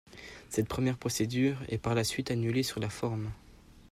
Cette première procédure est par la suite annulée sur la forme.